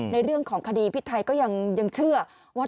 ในเรื่องของคดีพี่ไทยก็ยังเชื่อว่า